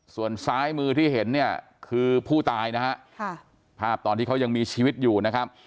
ส่วนซ้ายมือที่เห็นเนี่ยคือผู้ตายนะฮะภาพตอนที่เขายังมีชีวิตอยู่นะครับ